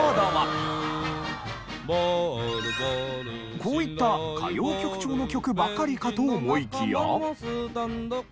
こういった歌謡曲調の曲ばかりかと思いきや。